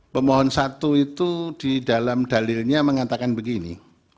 pemohon satu itu di dalam dalilnya mengatakan begini